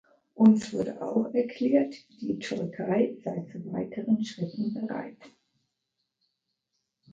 Uns wurde auch erklärt, die Türkei sei zu weiteren Schritten bereit.